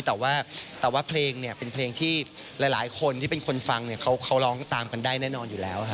แต่ว่าแต่ว่าเพลงเนี่ยเป็นเพลงที่หลายคนที่เป็นคนฟังเนี่ยเขาร้องตามกันได้แน่นอนอยู่แล้ว